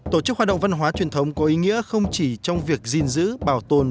tổ chức hoạt động văn hóa truyền thống có ý nghĩa không chỉ trong việc gìn giữ bảo tồn